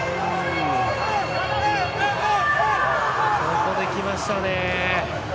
ここで、きましたね。